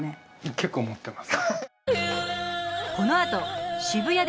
結構持ってます